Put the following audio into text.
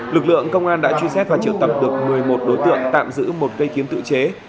lực lượng công an đã truy xét và triệu tập được một mươi một đối tượng tạm giữ một cây kiếm tự chế